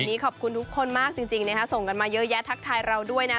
ขอบคุณทุกคนมากจริงนะฮะส่งกันมาเยอะแยะทักทายเราด้วยนะ